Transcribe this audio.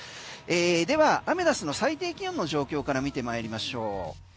では、アメダスの最低気温の状況から見てまいりましょう。